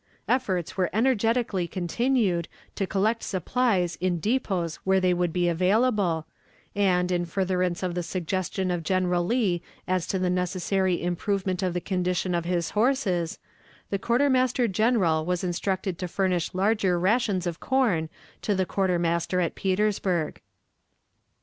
Efforts were energetically continued, to collect supplies in depots where they would be available, and, in furtherance of the suggestion of General Lee as to the necessary improvement in the condition of his horses, the quartermaster general was instructed to furnish larger rations of corn to the quartermaster at Petersburg.